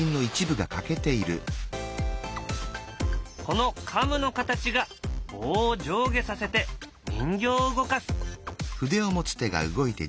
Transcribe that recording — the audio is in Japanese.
このカムの形が棒を上下させて人形を動かす。